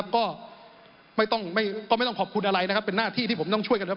ก็ไม่ต้องขอบคุณอะไรนะครับเป็นหน้าที่ที่ผมต้องช่วยกันครับ